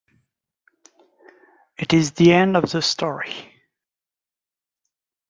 It is the end of the story.